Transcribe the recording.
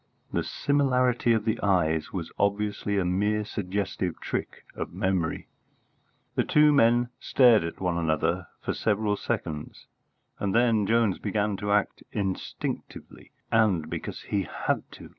The similarity of the eyes was obviously a mere suggestive trick of memory. The two men stared at one another for several seconds, and then Jones began to act instinctively, and because he had to.